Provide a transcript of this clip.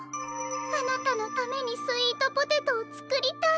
あなたのためにスイートポテトをつくりたい。